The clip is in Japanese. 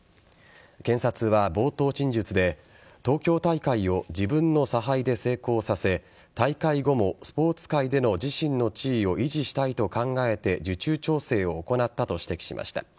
検察は冒頭陳述で東京大会を自分の差配で成功させ大会後もスポーツ界での自身の地位を維持したいと考えて受注調整を行ったと指摘しました。